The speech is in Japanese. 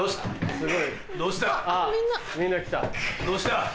どうした？